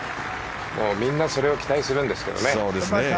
みんなそれを期待するんですけれどね。